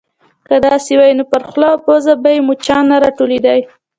_که داسې وای، نو پر خوله او پزه به يې مچان نه راټولېدای.